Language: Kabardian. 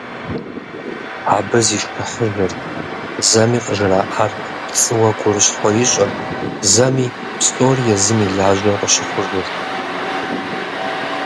Абы зишхыхьыжырт, зэми къыжраӏар пцӏыуэ гурыщхъуэ ищӀырт, зэми псори езым и лажьэу къыщыхъужырт.